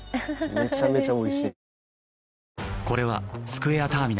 めちゃめちゃおいしい。